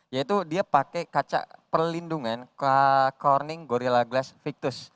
yaitu dia pakai kaca perlindungan corning gorilla glas victus